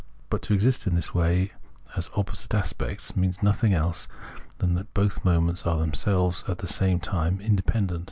But to exist in this way as opposite aspects means nothing else than that both moments are themselves at the same time independent.